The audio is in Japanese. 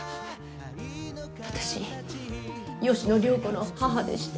私吉野涼子の母でして。